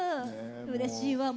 うれしいわ。